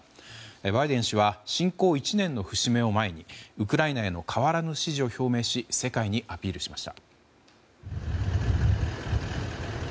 バイデン氏は侵攻１年の節目を前にウクライナへの変わらぬ支持を表明し世界にアピールしました。